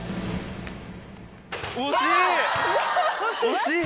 惜しい！